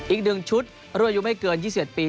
อีกหนึ่งชุดรั่วอยู่ไม่เกิน๒๑ปี